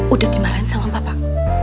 udah dimarahin sama bapak